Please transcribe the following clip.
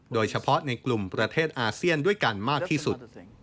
โดยเฉพาะในกลุ่มประเทศอาเซียนด้วยกันมากที่สุด